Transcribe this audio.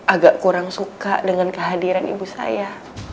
agak kurang suka dengan kehadiran ibu saya